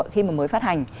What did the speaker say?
khi mà mới phát hành